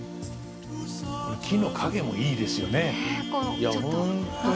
木の影もいいですよね。